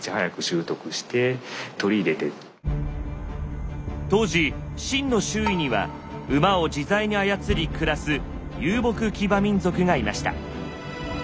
恐らく当時秦の周囲には馬を自在に操り暮らす遊牧騎馬民族がいました。